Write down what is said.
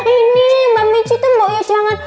ini mbak minci tuh mbak ya jangan